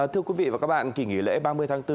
thưa quý vị và các bạn kỳ nghỉ lễ ba mươi tháng bốn